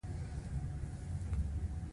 وژنه د مینې قاتله ده